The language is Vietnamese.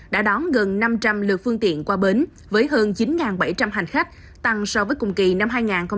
đã đón gần năm trăm linh lượt phương tiện qua bến với hơn chín bảy trăm linh hành khách tăng so với cùng kỳ năm hai nghìn